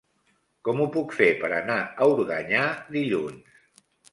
Com ho puc fer per anar a Organyà dilluns?